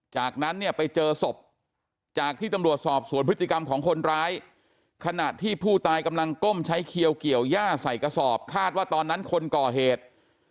จากนั้นเนี่ยไปเจอศพจากที่ตำรวจสอบสวนพฤติกรรมของคนร้ายขณะที่ผู้ตายกำลังก้มใช้เขียวเกี่ยวย่าใส่กระสอบคาดว่าตอนนั้นคนก่อเหตุ